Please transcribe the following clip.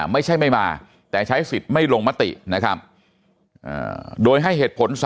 ไม่ใช่ไม่มาแต่ใช้สิทธิ์ไม่ลงมตินะครับโดยให้เหตุผล๓